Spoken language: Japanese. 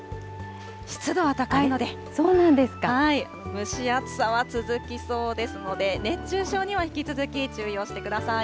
蒸し暑さは続きそうですので、熱中症には引き続き注意をしてください。